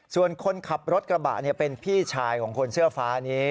ส่วนคนขับรถกระบะเป็นพี่ชายของคนเสื้อฟ้านี้